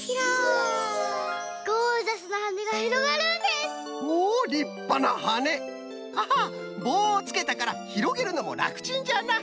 アハッぼうをつけたからひろげるのもらくちんじゃな。